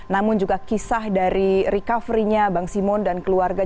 namun juga kisah dari recovery nya bang simon dan keluarga